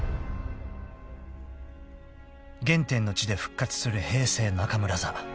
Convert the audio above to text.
［原点の地で復活する平成中村座］